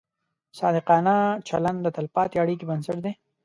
صادقانه چلند د تلپاتې اړیکې بنسټ دی.